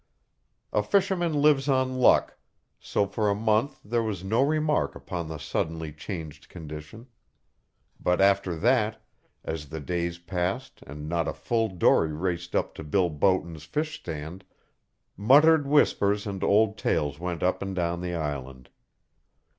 A fisherman lives on luck, so for a month there was no remark upon the suddenly changed condition. But after that, as the days passed and not a full dory raced up to Bill Boughton's fish stand, muttered whispers and old tales went up and down the island.